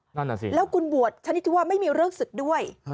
หรอแล้วคุณบวชชะนิดที่ว่าไม่มีเลิกศึกด้วย